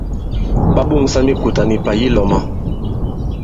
Ɓa ɓoŋsa mikùtà nì pà yi lɔ̄ma.